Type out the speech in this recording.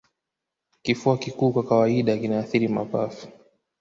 Kifua kikuu kwa kawaida kinaathiri mapafu